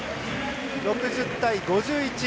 ６０対５１。